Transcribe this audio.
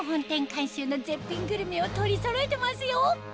監修の絶品グルメを取りそろえてますよ